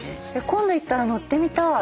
今度行ったら乗ってみたい。